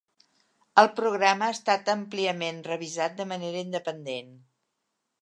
El programa ha estat àmpliament revisat de manera independent.